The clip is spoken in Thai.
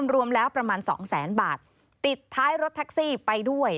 รวมแล้วประมาณสองแสนบาทติดท้ายรถแท็กซี่ไปด้วย